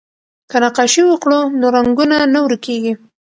که نقاشي وکړو نو رنګونه نه ورکيږي.